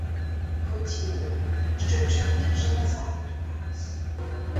Хотіли б, щоб човни вже назад вертались.